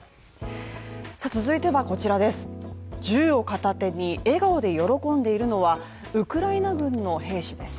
銃を片手に笑顔で喜んでいるのはウクライナ軍の兵士です。